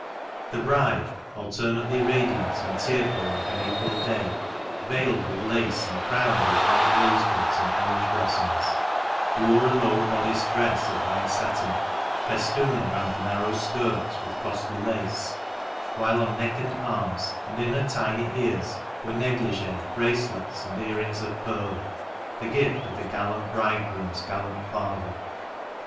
The bride, alternately radiant and tearful like an April day, veiled with laqe and crowned with white rosebuds and orange 388 THE MANCHESTER MAN. blossoms, wore a low bodiced dress of white satin, festooned round the narrow skirt with costly lace, whilst on neck and arms, and in her tiny ears, were neglig6, bracelets, and earrings of pearl, the gift of the gallant bridegroom's gallant father.